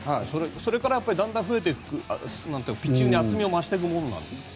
それからだんだん増えていくピッチングに厚みを増していくんですか？